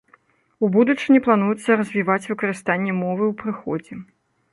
У будучыні плануецца развіваць выкарыстанне мовы ў прыходзе.